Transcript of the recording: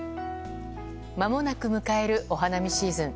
まもなく迎えるお花見シーズン。